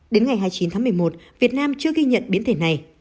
đến ngày hai mươi chín tháng một mươi một việt nam chưa ghi nhận biến thể này